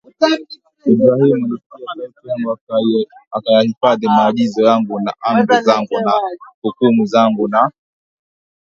Ibrahimu alisikia sauti yangu akayahifadhi maagizo yangu na amri zangu na hukumu zangu na